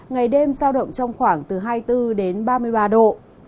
ngày đêm giao động trong khoảng từ hai mươi bốn đến ba mươi ba độ